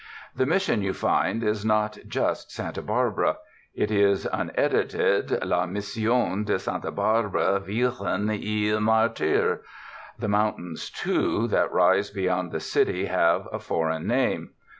The Mission, you find, is not just Santa Barbara; it is, unedited. La Mision de Santa Barbara Virgen y Martir. The mountains, too, that rise behind the city have a foreign name.